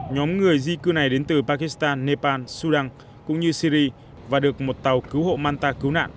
nhóm người di cư này đến từ pakistan nepal sudan cũng như syri và được một tàu cứu hộ manta cứu nạn